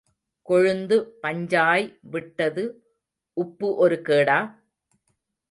கொழுந்து பஞ்சாய் விட்டது, உப்பு ஒரு கேடா?